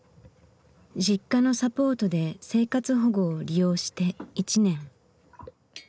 Ｊｉｋｋａのサポートで生活保護を利用して１年。